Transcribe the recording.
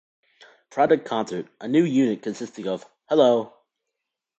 Project concert, a new unit consisting of Hello!